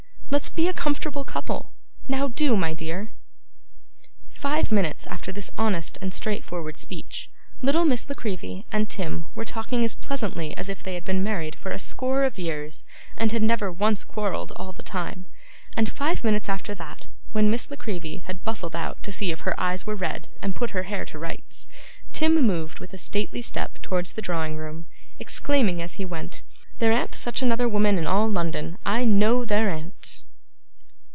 Let's be a comfortable couple. Now, do, my dear!' Five minutes after this honest and straightforward speech, little Miss La Creevy and Tim were talking as pleasantly as if they had been married for a score of years, and had never once quarrelled all the time; and five minutes after that, when Miss La Creevy had bustled out to see if her eyes were red and put her hair to rights, Tim moved with a stately step towards the drawing room, exclaiming as he went, 'There an't such another woman in all London! I KNOW there an't!